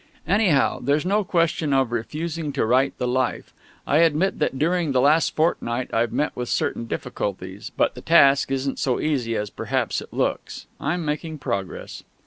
"Anyhow, there's no question of refusing to write the 'Life.' I admit that during the last fortnight I've met with certain difficulties; but the task isn't so easy as perhaps it looks.... I'm making progress."